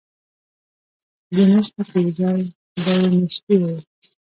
د نسته پر ځاى به يې نيشتې ويل.